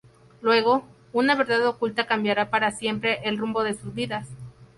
Luego, una verdad oculta cambiará para siempre el rumbo de sus vidas.